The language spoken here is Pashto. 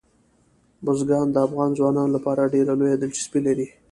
بزګان د افغان ځوانانو لپاره ډېره لویه دلچسپي لري.